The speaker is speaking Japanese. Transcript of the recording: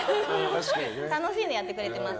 楽しんでやってくれてます